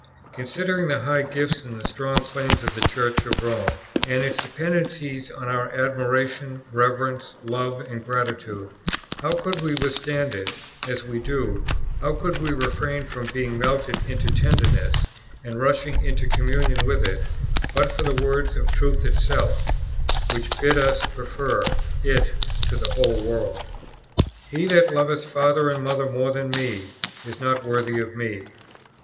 "Considering the high gifts and the strong claims of the Church of Rome and its dependencies on our admiration, reverence, love, and gratitude; how could we withstand it, as we do, how could we refrain from being melted into tenderness, and rushing into communion with it, but for the words of Truth itself, which bid us prefer It to the whole world? 'He that loveth father or mother more than Me, is not worthy of me.'